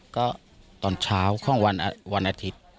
ก็ตอนเช้าของวันอาทิตย์